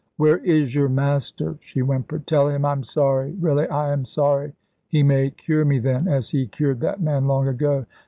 "Where is your Master?" she whimpered. "Tell Him I'm sorry really I am sorry. He may cure me then, as He cured that man long ago.